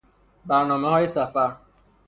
برنامههای سفر